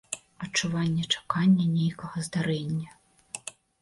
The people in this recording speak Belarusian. Адчуванне чакання нейкага здарэння.